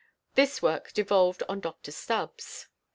This work devolved on Dr Stubbs.